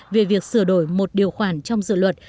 về việc sửa đổi một điều khoản trong dự luật